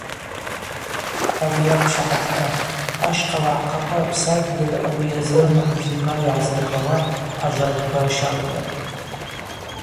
Ауи йаквшахӏатта ащхъа уагӏахъаква рпсадгьыли ауи йазрыму абзибари гӏазырбауа ажважвква рщардапӏ.